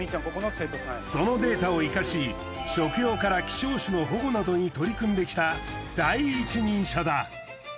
そのデータを生かし食用から希少種の保護などに取り組んできた第一人者だ。